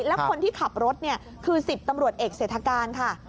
แล้วคนที่ขับรถเนี่ยคือ๑๐ตำรวจเอกเศรษฐการค่ะ